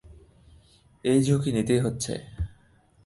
এই ঝুঁকি নিতেই হচ্ছে।